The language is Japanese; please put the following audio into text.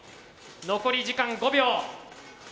残り時間５秒。